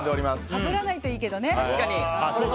かぶらないといいけどね。